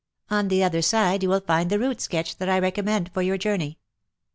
On the other side you will find the route sketched that I recommend you for your journey.